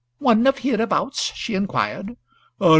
"One of hereabouts?" she inquired.